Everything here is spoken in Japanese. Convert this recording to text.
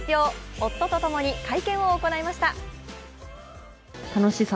夫とともに会見を行いました。